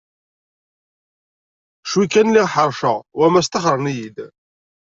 Cwi kan lliɣ ḥerceɣ wamma staxren-iyi-d.